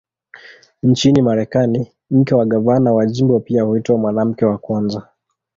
Nchini Marekani, mke wa gavana wa jimbo pia huitwa "Mwanamke wa Kwanza".